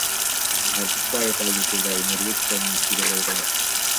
Артыкбаев ал учурда энергетика министри болгон.